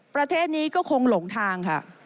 ประเทศนี้ก็คงหลงทางค่ะ